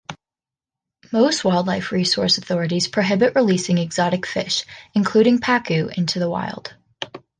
Most wildlife resource authorities prohibit releasing exotic fish, including pacu, into the wild.